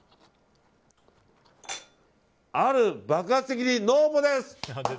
ある爆発的にノーボです！